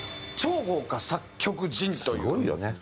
すごいよね。